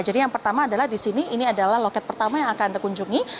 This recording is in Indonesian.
jadi yang pertama adalah di sini ini adalah loket pertama yang akan anda kunjungi